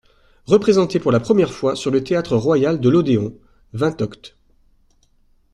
Représentée pour la première fois sur le Théâtre Royal de l'Odéon (vingt oct.